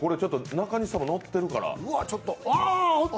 中西さんものってるから。